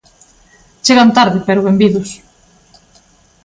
Chegan tarde, pero benvidos.